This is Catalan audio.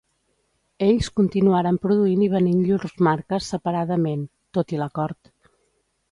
Ells continuaren produint i venent llurs marques separadament, tot i l'acord.